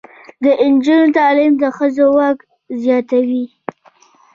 د نجونو تعلیم د ښځو واک زیاتوي.